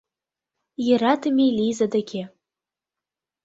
Йӧратыме Лиза деке.